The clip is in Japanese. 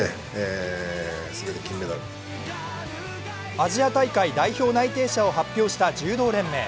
アジア大会代表内定者を発表した柔道連盟。